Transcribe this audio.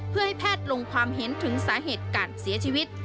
เพื่อให้แพทย์ลงความเห็นถึงสาเหตุการเสียชีวิต